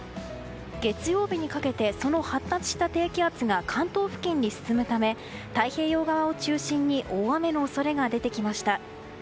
月曜日にかけてその発達した低気圧が関東付近に進むため太平洋側を中心に大雨の恐れが出てきました。